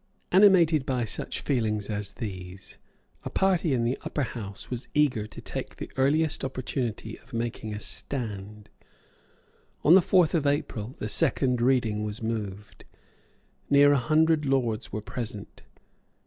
Animated by such feelings as these, a party in the Upper House was eager to take the earliest opportunity of making a stand. On the fourth of April, the second reading was moved. Near a hundred lords were present.